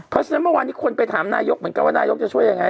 เพราะฉะนั้นเมื่อวานนี้คนไปถามนายกเหมือนกันว่านายกจะช่วยยังไง